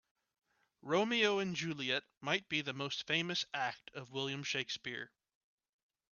Romeo and Juliet might be the most famous act of William Shakespeare.